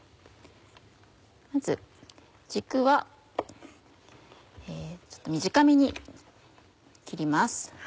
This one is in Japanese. まず軸はちょっと短めに切ります。